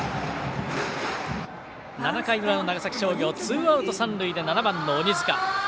７回裏の長崎商業ツーアウト、三塁で７番の鬼塚。